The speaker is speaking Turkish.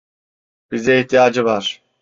Bize ihtiyacı var.